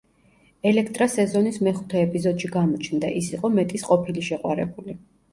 ელექტრა სეზონის მეხუთე ეპიზოდში გამოჩნდა, ის იყო მეტის ყოფილი შეყვარებული.